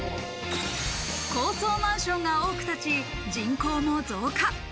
高層マンションが多く建ち、人口も増加。